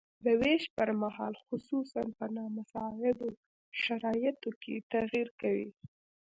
د ویش پرمهال خصوصاً په نامساعدو شرایطو کې تغیر کوي.